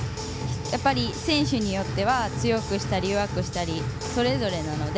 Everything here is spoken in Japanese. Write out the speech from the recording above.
やっぱり、選手によっては強くしたり弱くしたりそれぞれなので。